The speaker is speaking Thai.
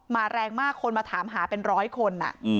มาแรงมากคนมาถามหาเป็น๑๐๐คนอ่ะ